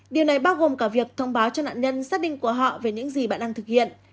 điều này bao gồm cả việc thông báo cho nạn nhân xác định của họ về những gì bạn đang thực hiện